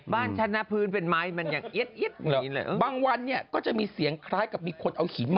บ้านฉันนะพื้นเป็นไม้มันอย่างเอี๊ยดบางวันเนี่ยก็จะมีเสียงคล้ายกับมีคนเอาหินมา